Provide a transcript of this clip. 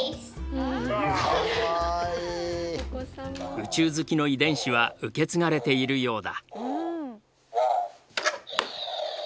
宇宙好きの遺伝子は受け継がれているようだ。